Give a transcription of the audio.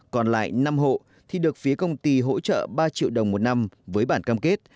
còn lại năm hộ thì được phía công ty hỗ trợ ba triệu đồng một năm với bản cam kết